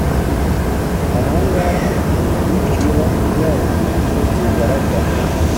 Aha ngaha igi riba ryahindutse bigaragara